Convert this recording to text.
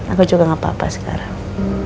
aku juga gak apa apa sekarang